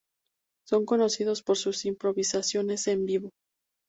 Son conocidos por sus improvisaciones en vivo.